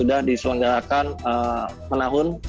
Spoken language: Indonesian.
nah level club ini akan bertanding di event event komunitas jenis jenis